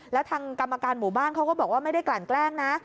แล้วทางกรรมการหมู่บ้านเขาก็บอกว่าไม่ได้กลั่นแกล้งนะ